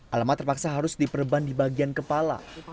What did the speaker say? alamat terpaksa harus diperban di bagian kepala